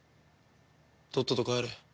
とっとと帰れ。